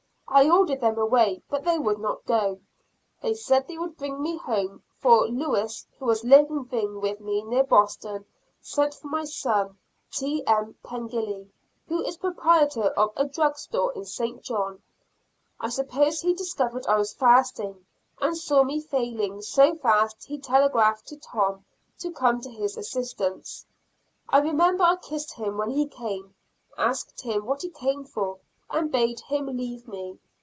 I ordered them away, but they would not go. They said they would bring me home, for Lewis, who was living with me near Boston, sent for my son, T. M. Pengilly, who is proprietor of a drug store in St. John. I suppose he discovered I was fasting, and saw me failing so fast he telegraphed to Tom to come to his assistance. I remember I kissed him when he came, asked him what he came for, and bade him leave me.